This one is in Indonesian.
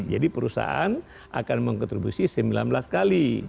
jadi perusahaan akan mengkontribusi sembilan belas kali